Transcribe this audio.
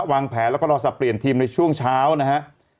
วางแผนแล้วก็รอสับเปลี่ยนทีมในช่วงเช้านะฮะ